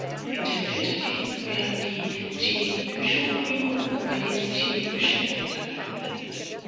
In der Filtertechnik werden die Tschebyschow-Polynome bei den Tschebyscheff-Filtern verwendet.